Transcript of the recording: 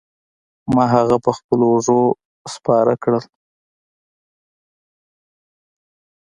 ما هغه په خپلو اوږو سپار کړ.